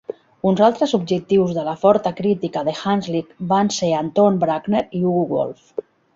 Uns altres objectius de la forta crítica de Hanslick van ser Anton Bruckner i Hugo Wolf.